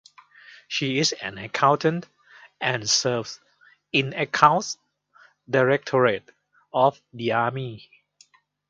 She is an accountant and serves in the Accounts Directorate of the Army.